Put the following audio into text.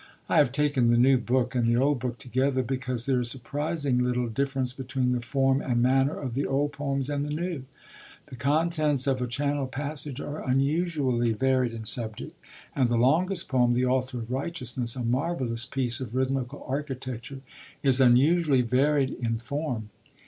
I have taken the new book and the old book together, because there is surprisingly little difference between the form and manner of the old poems and the new. The contents of A Channel Passage are unusually varied in subject, and the longest poem, The Altar of Righteousness, a marvellous piece of rhythmical architecture, is unusually varied in form.